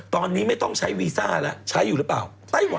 ตอนนี้ไม่ต้องใช้วีซ่าแล้วใช้อยู่หรือเปล่า